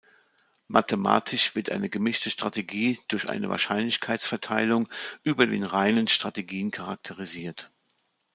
Mathematisch wird eine gemischte Strategie durch eine Wahrscheinlichkeitsverteilung über den reinen Strategien charakterisiert.